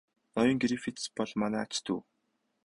Ноён Грифитс бол манай ач дүү.